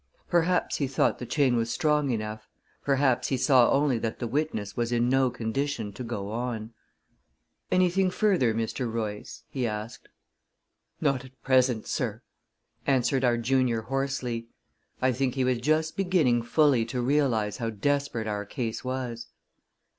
Perhaps he thought the chain was strong enough; perhaps he saw only that the witness was in no condition to go on. "Anything further, Mr. Royce?" he asked. "Not at present, sir," answered our junior hoarsely. I think he was just beginning fully to realize how desperate our case was.